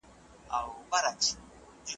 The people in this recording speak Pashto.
خپل ملي بیرغونه پورته کوي `